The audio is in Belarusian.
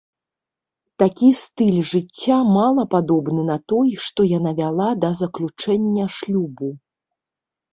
Такі стыль жыцця мала падобны на той, што яна вяла да заключэння шлюбу.